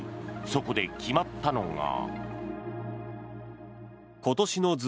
そこで決まったのが。